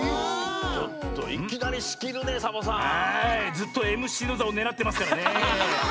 ずっとＭＣのざをねらってますからね。